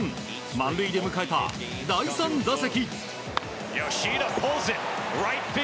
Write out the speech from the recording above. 満塁で迎えた、第３打席。